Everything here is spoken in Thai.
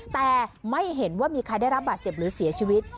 แต่ไม่เห็นว่ามีใครได้รับบาดเจ็บหรือเสียชีวิต